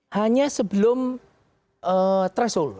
hanya sebelum threshold